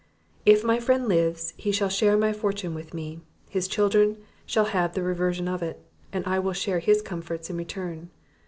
If my friend lives, he shall share my fortune with me; his children shall have the reversion of it; and I will share his comforts in return.